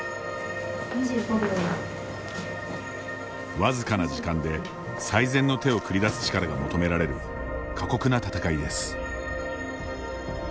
僅かな時間で最善の手を繰り出す力が求められる過酷な戦いです。